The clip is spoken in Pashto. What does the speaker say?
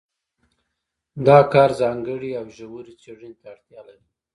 دا کار ځانګړې او ژورې څېړنې ته اړتیا لري.